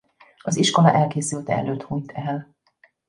Az iskola elkészülte előtt hunyt el.